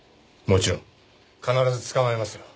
もちろん必ず捕まえますよ。